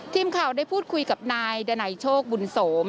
ทีมข่าวได้พูดคุยกับนายดนัยโชคบุญโสม